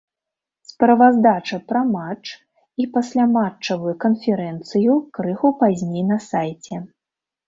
Справаздача пра матч і пасляматчавую канферэнцыю крыху пазней на сайце.